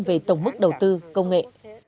về tổng mức đầu tư công nghệ